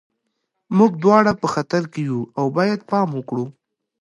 موږ دواړه په خطر کې یو او باید پام وکړو